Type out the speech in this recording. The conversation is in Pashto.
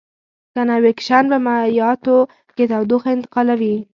کنویکشن په مایعاتو کې تودوخه انتقالوي.